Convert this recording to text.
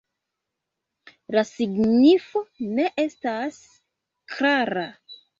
La signifo ne estas klara.